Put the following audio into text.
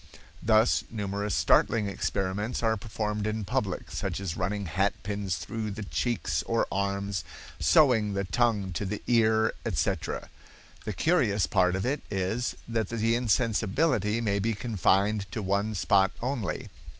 Thus numerous startling experiments are performed in public, such as running hatpins through the cheeks or arms, sewing the tongue to the ear, etc. The curious part of it is that the insensibility may be confined to one spot only.